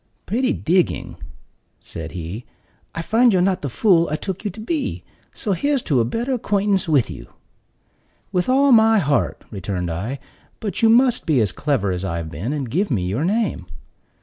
"Pretty digging!" said he. "I find you're not the fool I took you to be; so here's to a better acquaintance with you." "With all my heart," returned I; "but you must be as clever as I've been, and give me your name."